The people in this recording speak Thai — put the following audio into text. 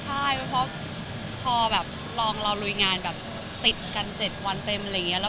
ใช่เพราะพอลองลองร่วยงานติดกันเจ็ดวันเต็ม